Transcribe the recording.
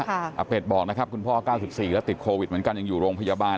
อาเป็ดบอกนะครับคุณพ่อ๙๔แล้วติดโควิดเหมือนกันยังอยู่โรงพยาบาล